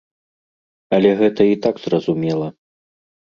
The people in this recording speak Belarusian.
Але гэта і так зразумела.